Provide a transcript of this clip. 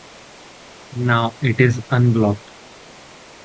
Now it is unblocked.